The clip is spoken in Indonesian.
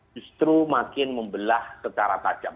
justru makin membelah secara tajam